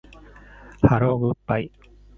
ハローグッバイ